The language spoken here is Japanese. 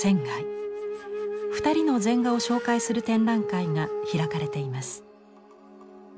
２人の禅画を紹介する展覧会が開かれています。